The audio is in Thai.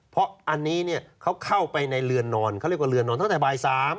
เพราะอันนี้เขาเข้าไปในเรือนนอนเขาเรียกว่าเรือนนอนตั้งแต่บ่าย๓